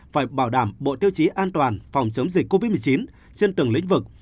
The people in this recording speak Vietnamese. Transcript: phải bảo đảm bộ tiêu chí an toàn phòng chống dịch covid một mươi chín trên từng lĩnh vực